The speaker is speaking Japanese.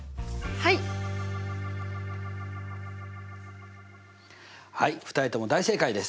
はい２人とも大正解です。